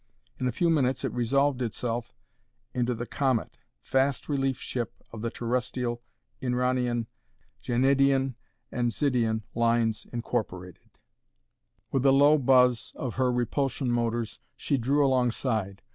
In a few minutes it resolved itself into the Comet, fast relief ship of the Terrestial, Inranian, Genidian, and Zydian Lines, Inc. With a low buzz of her repulsion motors she drew alongside.